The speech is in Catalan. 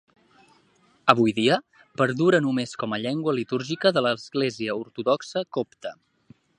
Avui dia perdura només com a llengua litúrgica de l'Església Ortodoxa Copta.